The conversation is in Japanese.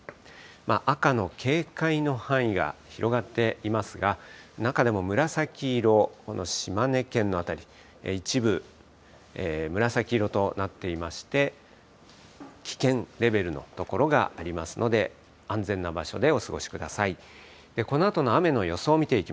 赤の警戒の範囲が広がっていますが、中でも紫色、この島根県の辺り、一部紫色となっていまして、危険レベルの所がありますので、安全な場所でお過ごしください。